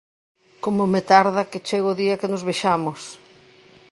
Como me tarda que chegue o día que nos vexamos